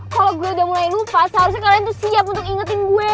kalau gue udah mulai lupa seharusnya kalian tuh siap untuk ingetin gue